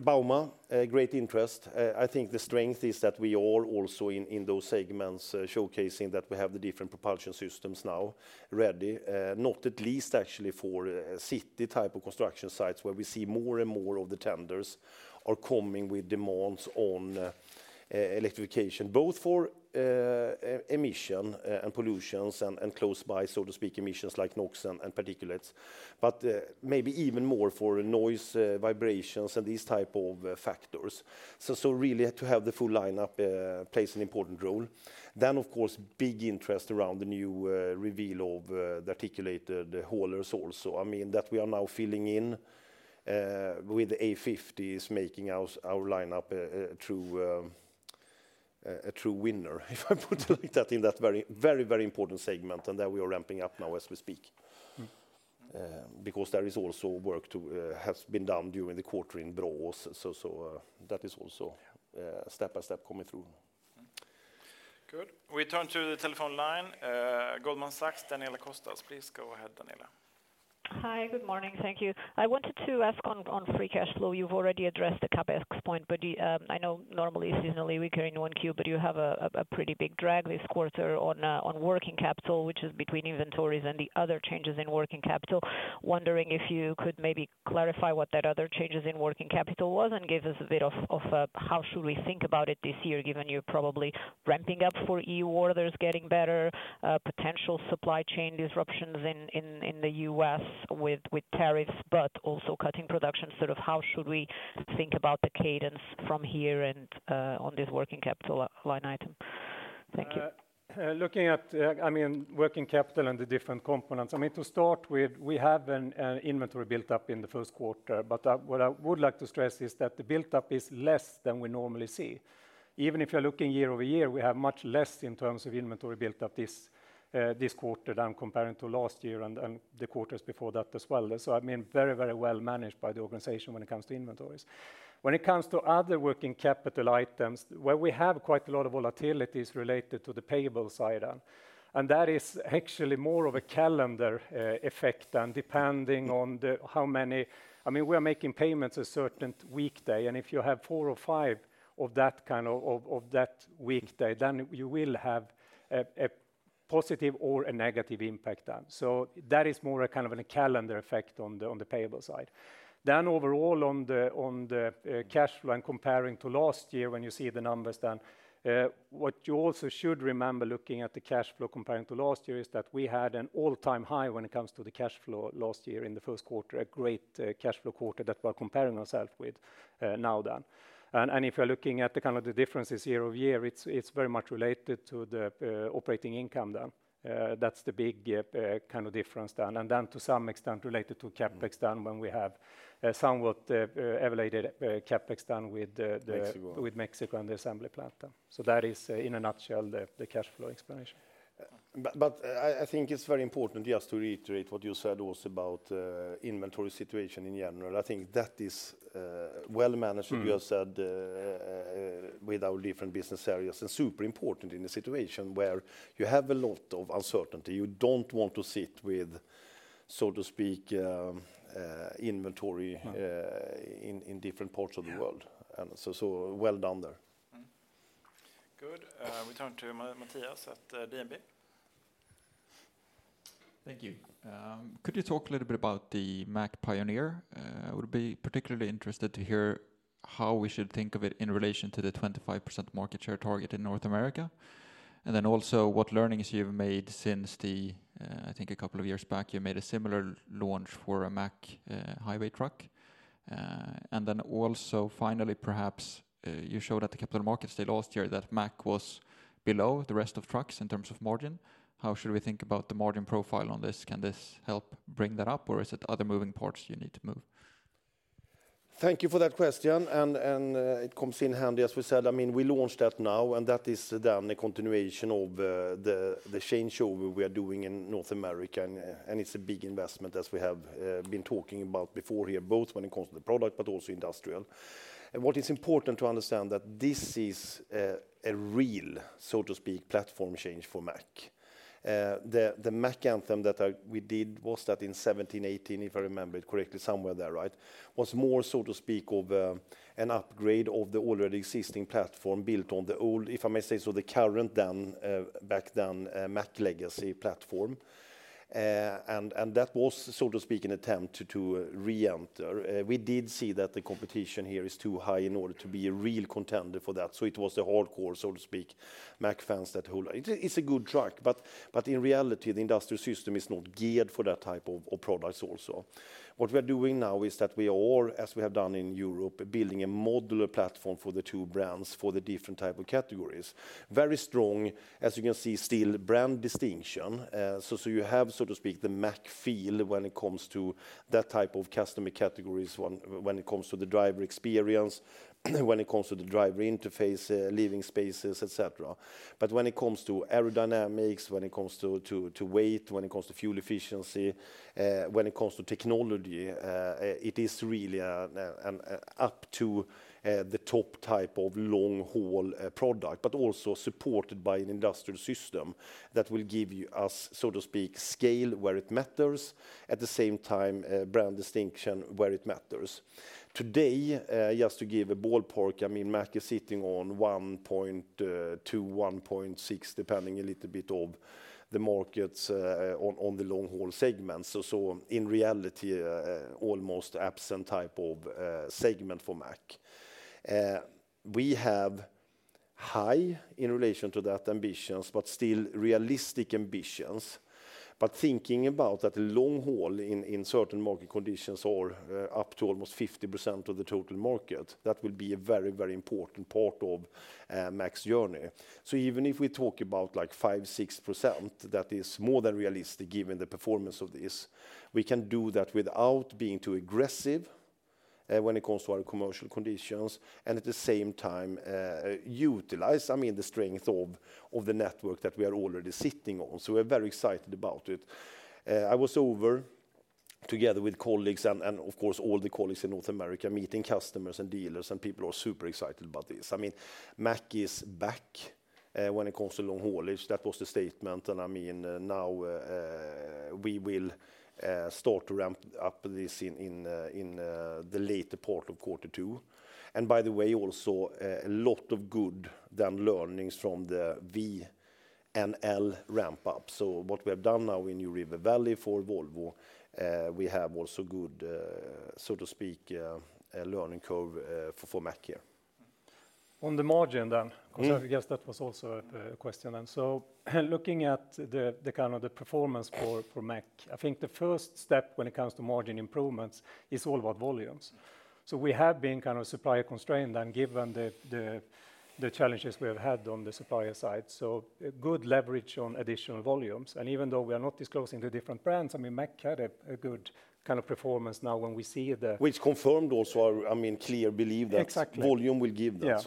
Bauma, great interest. I think the strength is that we are also in those segments showcasing that we have the different propulsion systems now ready. Not at least actually for city type of construction sites where we see more and more of the tenders are coming with demands on electrification both for emission and pollutions and close by so to speak emissions like NOX and particulates, but maybe even more for noise, vibrations and these type of factors. Really to have the full lineup plays an important role. Of course big interest around the new reveal of the articulated haulers. Also I mean that we are now filling in with a 50 is making our lineup a true winner, if I put it like that, in that very, very, very important segment and that we are ramping up now as we speak because there is also work to have been done during the quarter in brawl. That is also step by step coming through. Good. We turn to the telephone line. Goldman Sachs. Danielle Acosta, please. Go ahead, Danielle. Hi, good morning. Thank you. I wanted to ask on free cash flow, you've already addressed the CapEx point, but I know normally seasonally we carry in one Q but you have a pretty big drag this quarter on working capital, which is between inventories and the other changes in working capital. Wondering if you could maybe clarify what that other changes in working capital was and give us a bit of how should we think about it this year given you probably ramping up for EU orders, getting better, potential supply chain disruptions in the US with tariffs, but also cutting production sort of how should we think about the cadence from here and on this working capital line item. Thank you. Looking at working capital and the different components to start with, we have an inventory built up in the Q1, but what I would like to stress is that the built up is less than we normally see. Even if you're looking year over year, we have much less in terms of inventory built up this quarter than comparing to last year and the quarters before that as well. I mean very, very well managed by the organization when it comes to inventories, when it comes to other working capital items. Where we have quite a lot of volatility is related to the payable side, and that is actually more of a calendar effect than depending on how many, I mean, we are making payments a certain weekday, and if you have four or five of that kind of that weekday, then you will have a positive or a negative impact. That is more a kind of a calendar effect on the payable side than overall on the cash flow and comparing to last year. When you see the numbers then what you also should remember looking at the cash flow comparing to last year is that we had an all-time high when it comes to the cash flow last year in the Q1, a great cash flow quarter that we're comparing ourselves with now. If you're looking at the kind of the differences year over year, it's very much related to the operating income then that's the big kind of difference down and then to some extent related to CapEx done when we have a somewhat evaluated CapEx done with Mexico and the assembly plate. That is in a nutshell the cash flow experience. I think it's very important just to reiterate what you said was about inventory situation in general. I think that is well managed, you have said, with our different business areas and super important in a situation where you have a lot of uncertainty, you don't want to sit with, so to speak, inventory in different parts of the world. Well done there. Good. We turn to Matthias at DNB. Thank you. Could you talk a little bit about the Mack Pioneer? I would be particularly interested to hear how we should think of it in relation to the 25% market share target in North America and then also what learnings you've made since the I think a couple of years back you made a similar launch for a Mack highway truck and then also finally perhaps system is not geared for that type of products. Also what we are doing now is that we are, as we have done in Europe, building a modular platform for the two brands for the different type of categories. Very strong as you can see, still brand distinction. You have, so to speak, the Mack feel when it comes to that type of customer categories when it comes to the driver experience, when it comes to the driver interface, living spaces, etc. When it comes to aerodynamics, when it comes to weight, when it comes to fuel efficiency, when it comes to technology, it is really up to the top type of long haul product. Also supported by an industrial system that will give us, so to speak, scale where it matters. At the same time, brand distinction where it matters. Today, just to give a ballpark, I mean Mack is sitting on 1.2 to 1.6 depending a little bit on the markets on the long haul segments. In reality, almost absent type of segment for Mack, we have high in relation to that ambitions, but still realistic ambitions. Thinking about that long haul in certain market conditions, or up to almost 50% of the total market, that will be a very, very important part of Mack's journey. Even if we talk about like 5% to 6%, that is more than realistic given the performance of this, we can do that without being too aggressive when it comes to our commercial conditions and at the same time utilize, I mean, the strength of the network that we are already sitting on. We are very excited about it. I was over together with colleagues and of course all the colleagues in North America meeting customers and dealers and people are super excited about this. I mean, Mack is back when it comes to long haulage. That was the statement. I mean, now we will start to ramp up this in the later part of Q2. By the way, also a lot of good learnings from the VNL ramp up. What we have done now in New River Valley for Volvo, we have also good, so to speak, learning curve. For Mack here on the margin then I guess that was also a question. Looking at the kind of the performance for Mack, I think the first step when it comes to margin improvements is all about volumes. We have been kind of supplier constrained and given the challenges we have had on the supplier side, good leverage on additional volumes. Even though we are not disclosing the different brands, I mean Mack had a good kind of performance. Now when we see the which confirmed. Also, I mean clear believe that volume will give that.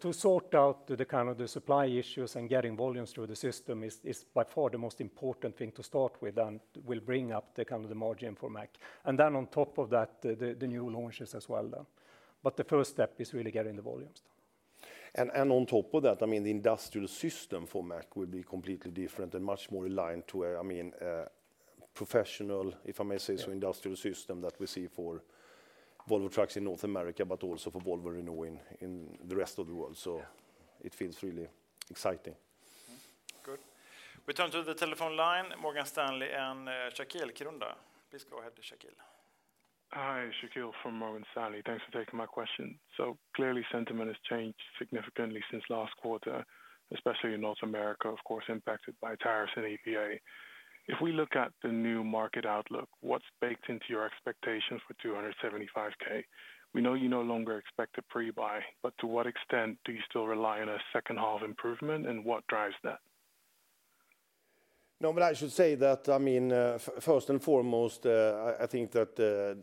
To sort out the kind of the supply issues and getting volumes through the system is by far the most important thing to start with and will bring up the kind of the margin for Mack and then on top of that the new launches as well. The first step is really getting the volumes done. On top of that, I mean the industrial system for Mack will be completely different and much more aligned to, I mean professional if I may say so, industrial system that we see for Volvo Trucks in North America, but also for Volvo renewing in the rest of the world. It feels really exciting. Good. We turn to the telephone line. Morgan Stanley and Shaquel Kirunda. Please go ahead to Shaquel. Hi Shaquel from Morgan Stanley. Thanks for taking my question. Clearly sentiment has changed significantly since last quarter, especially in North America, of course impacted by tariffs and EPA. If we look at the new market outlook, what's baked into your expectation for 275,000? We know you no longer expect a pre buy but to what extent do you still rely on a second half improvement and what drives that? No, but I should say that, I mean first and foremost I think that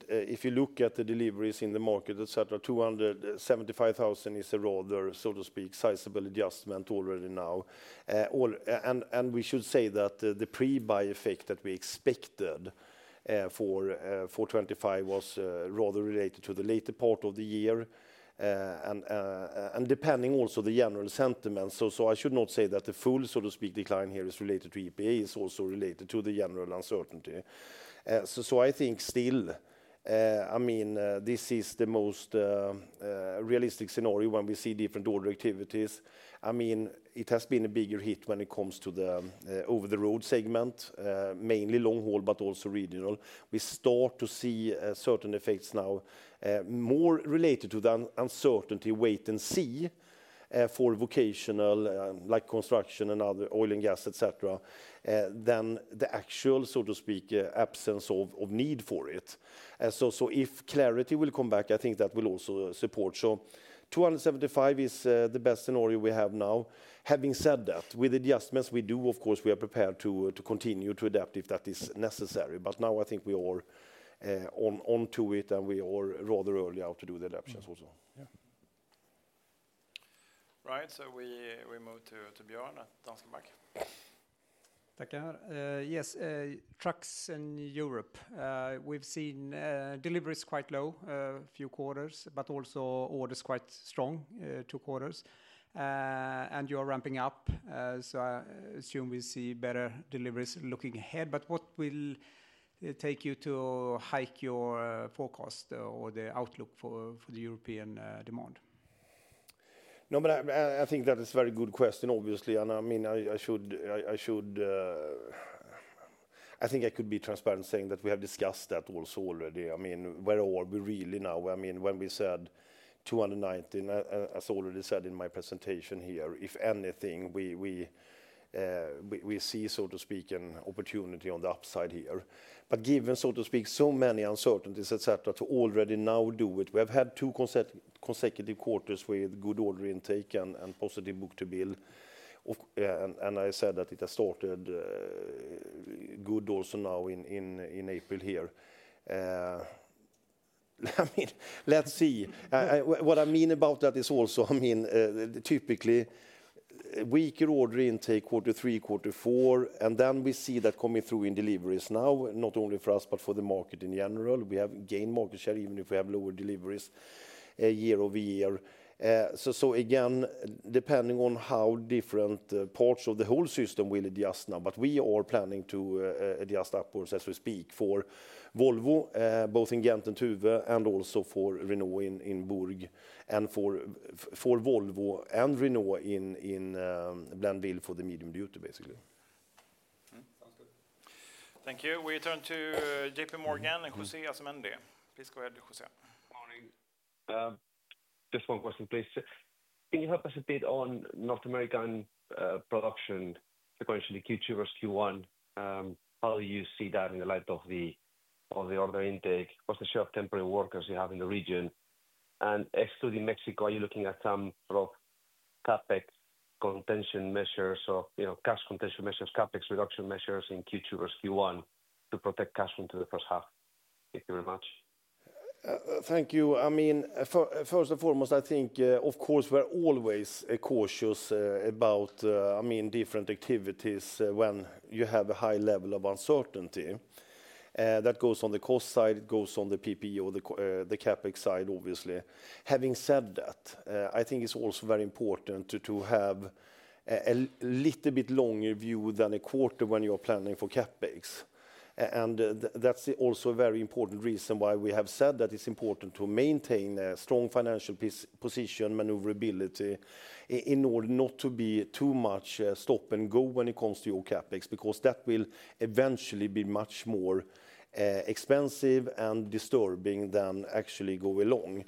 if you look at the deliveries in the market, etc. 275,000 is a rather, so to speak, sizable adjustment already now and we should say that the pre buy effect that we expected for 4.25 was rather related to the later part of the year and depending also on the general sentiment. I should not say that the full, so to speak, decline here is related to EPA. It is also related to the general uncertainty. I think still, still I mean this is the most realistic scenario when we see different order activities. I mean it has been a bigger hit when it comes to the over the road segment, mainly long haul but also regional. We start to see certain effects now more related to the uncertainty, wait and see for vocational like construction and other oil and gas etc. than the actual so to speak absence of need for it. If clarity will come back I think that will also support, so 275 is the best scenario we have now. Having said that, with adjustments we do of course we are prepared to continue to adapt if that is necessary. Now I think we are onto it and we are rather early out to do the adaptions also. Right, we move to Björn Annwall. Yes, trucks in Europe. We've seen deliveries quite low a few quarters, but also orders quite strong 2/4, and you're ramping up. I assume we see better deliveries looking ahead. What will take you to hike your forecast or the outlook for the European demand? No, I think that is a very good question obviously. I should, I think I could be transparent saying that we have discussed that also already. Where are we really now? When we said 219 as already said in my presentation here, if anything we see, so to speak, an opportunity on the upside here, but given, so to speak, so many uncertainties etc. To already now do it. We have had two consecutive quarters with good order intake and positive book-to-bill and I said that it has started good also now in April here. Let's see. What I mean about that is also, I mean, typically weaker order intake Q3, Q4. We see that coming through in deliveries now not only for us but for the market in general. We have gained market share even if we have lower deliveries year over year. Again, depending on how different parts of the whole system will adjust now. We are planning to adjust upwards as we speak for Volvo both in Ghent and Tuve and also for Renault in Bourg and for Volvo and Renault in Blainville for the medium. YouTube basically. Sounds good. Thank you. We turn to JPMorgan, please go ahead. Morning. Just one question please. Can you help us a bit on North American production sequentially Q2 versus Q1? How do you see that in the light of the order intake? What's the share of temporary workers you have in the region and excluding Mexico? Are you looking at some drop CapEx contention measures or, you know, cash contention measures, CapEx reduction measures in Q2 versus Q1 to protect cash into the first half? Thank you very much. Thank you. I mean first and foremost I think of course we're always cautious about, I mean different activities when you have a high level of uncertainty that goes on the cost side, it goes on the PPE or the CapEx side. Obviously having said that, I think it's also very important to have a little bit longer view than a quarter when you're planning for CapEx. That is also a very important reason why we have said that it's important to maintain a strong financial position, maneuverability in order not to be too much stop and go when it comes to your CapEx because that will eventually be much more expensive and disturbing than actually go along.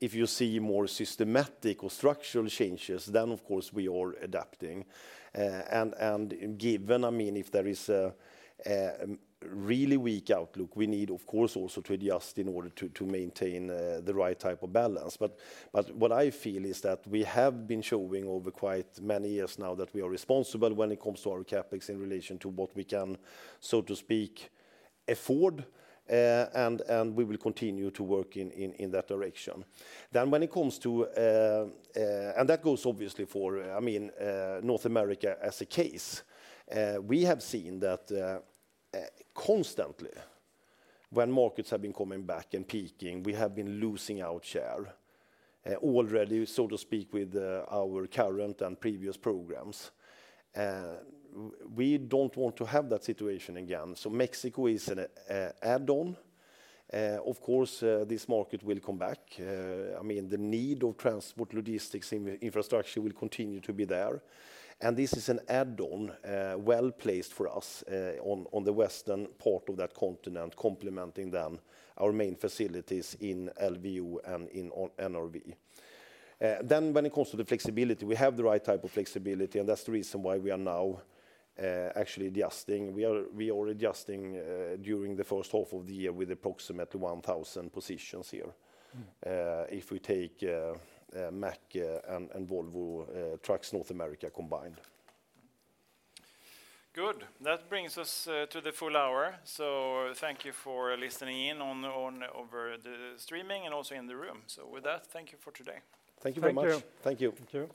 If you see more systematic or structural changes, then of course we are adapting and, I mean, if there is a really weak outlook, we need of course also to adjust in order to maintain the right type of balance. What I feel is that we have been showing over quite many years now that we are responsible when it comes to our CapEx in relation to what we can so to speak afford. We will continue to work in that direction. When it comes to, and that goes obviously for, I mean North America as a case, we have seen that constantly when markets have been coming back and peaking, we have been losing out share already, so to speak with our current and previous programs. We don't want to have that situation again. Mexico is an add on. Of course this market will come back. I mean, the need of transport logistics infrastructure will continue to be there. This is an add on well placed for us on the western part of that continent, complementing then our main facilities in LVU and in NRV. When it comes to the flexibility, we have the right type of flexibility. That's the reason why we are now actually adjusting. We are adjusting during the first half of the year with approximately 1,000 positions here. If we take Mack and Volvo Trucks, North America combined. Good. That brings us to the full hour. Thank you for listening in on over the streaming and also in the room. With that, thank you for today. Thank you very much. Thank you.